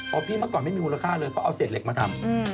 พี่เมื่อก่อนไม่มีมูลค่าเลยเพราะเอาเศษเหล็กมาทำ